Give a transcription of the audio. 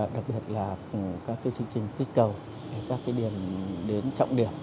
đặc biệt là các chương trình kích cầu các điểm đến trọng điểm